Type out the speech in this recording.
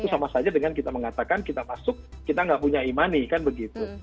sama saja dengan kita mengatakan kita masuk kita nggak punya e money kan begitu